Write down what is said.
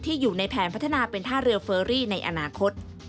อยู่ในแผนพัฒนาเป็นท่าเรือเฟอรี่ในอนาคต